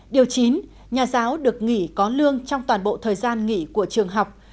điều chín nhà giáo được nghỉ có lương trong toàn bộ thời gian nghỉ của trường học